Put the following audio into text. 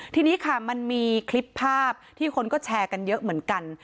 ทีนี้ค่ะมันมีคลิปภาพที่คนก็แชร์กันเยอะเหมือนกัน